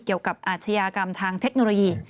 เกี่ยวกับอาชญากรรมทางเทคโนโลยี